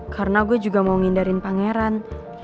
karena gue juga mau ngindarin pangeran